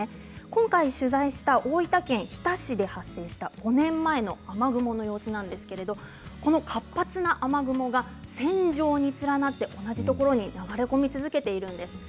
今回取材した大分県日田市で発生した５年前の雨雲の様子なんですけれども活発な雨雲が線状に連なって同じところに流れ込み続けているんです。